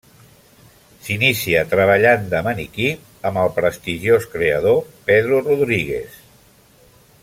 S'inicia treballant de maniquí amb el prestigiós creador Pedro Rodríguez.